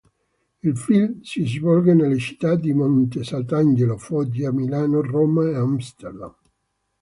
Il film si svolge nelle città di Monte Sant'Angelo, Foggia, Milano, Roma e Amsterdam.